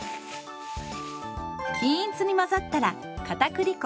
均一に混ざったらかたくり粉。